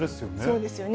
そうですよね。